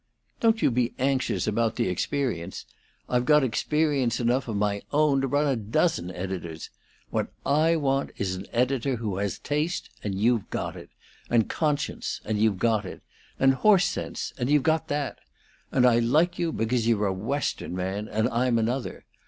Don't you be anxious about the experience. I've got experience enough of my own to run a dozen editors. What I want is an editor who has taste, and you've got it; and conscience, and you've got it; and horse sense, and you've got that. And I like you because you're a Western man, and I'm another.